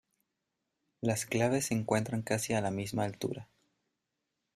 Las claves se encuentran casi a la misma altura.